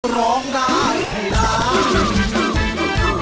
เพื่อร้องได้ให้ร้อง